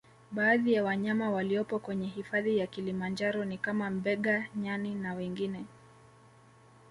Baadhi ya wanyama waliopo kwenye hifadhi ya kilimanjaro ni kama Mbega nyani na wengine